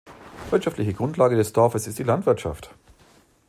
Wirtschaftliche Grundlage des Dorfes ist die Landwirtschaft.